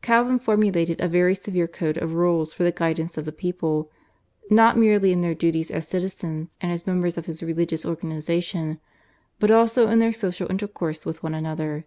Calvin formulated a very severe code of rules for the guidance of the people not merely in their duties as citizens and as members of his religious organisation, but also in their social intercourse with one another.